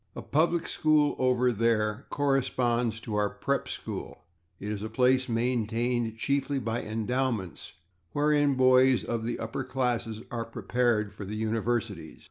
A /public school/ over there corresponds to our /prep school/; it is a place maintained chiefly by endowments, wherein boys of the upper classes are prepared for the universities.